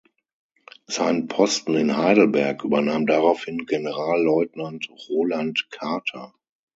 Seinen Posten in Heidelberg übernahm daraufhin Generalleutnant Roland Kather.